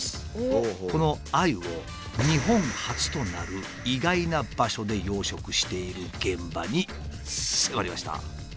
このアユを日本初となる意外な場所で養殖している現場に迫りました。